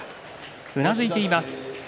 うなずいています。